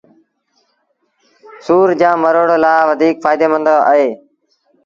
سُور جآݩ مروڙ لآ وڌيٚڪ ڦآئيٚدي مند اهي